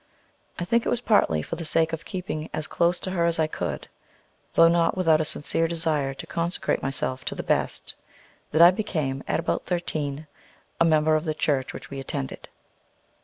I think it was partly for the sake of keeping as close to her as I could though not without a sincere desire to consecrate myself to the Best that I became, at about thirteen, a member of the church which we attended.